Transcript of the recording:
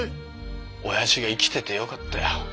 親父が生きててよかったよ。